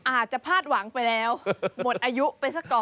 อาจจะพลาดหวังไปแล้วหมดอายุไปซะก่อน